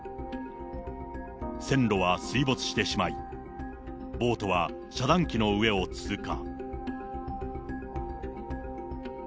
線路は水没してしまい、ボートは遮断機の上を通過。